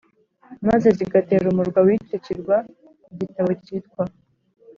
maze zigatera umurwa w icyo kirwa Igitabo cyitwa